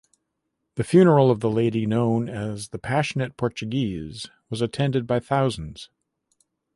The funeral of the lady known as the "Passionate Portuguese" was attended by thousands.